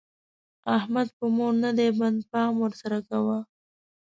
احمد په مور نه دی بند؛ پام ور سره کوه.